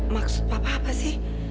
maksud papa apa sih